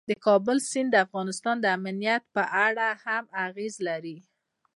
د کابل سیند د افغانستان د امنیت په اړه هم اغېز لري.